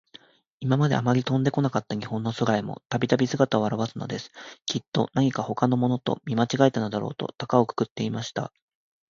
いままで、あまり飛んでこなかった日本の空へも、たびたび、すがたをあらわすのです。きっと、なにかほかのものと、見まちがえたのだろうと、たかをくくっていました。